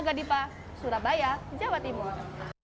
yoga dipa surabaya jawa timur